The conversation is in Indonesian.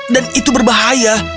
dan itu berbahaya